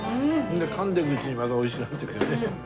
でかんでいくうちにまた美味しくなっていくよね。